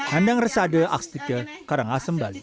handang resade astike karangasem bali